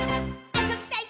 あそびたい！」